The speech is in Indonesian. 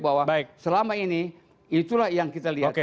bahwa selama ini itulah yang kita lihat